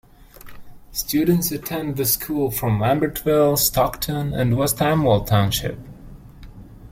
Students attend the school from Lambertville, Stockton and West Amwell Township.